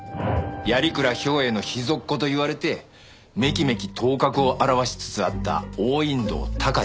鑓鞍兵衛の秘蔵っ子といわれてメキメキ頭角を現しつつあった王隠堂鷹児。